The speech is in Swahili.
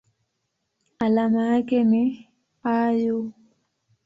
Alama yake ni Au.